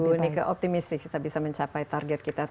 baik bu nika optimistik kita bisa mencapai target kita